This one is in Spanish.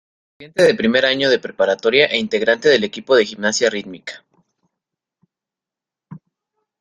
Estudiante de primer año de preparatoria e integrante del equipo de gimnasia rítmica.